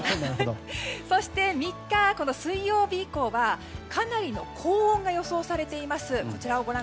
そして、３日の水曜日以降はかなりの高温が予想されています。